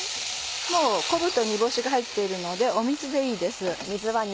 もう昆布と煮干しが入っているので水でいいです。